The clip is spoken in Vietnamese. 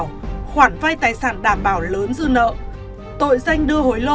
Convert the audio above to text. khoản vay tài sản đảm bảo lớn dư nợ tội danh đưa hối lộ